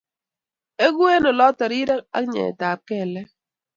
Egu eng oloto rirek ak nyeetab kekek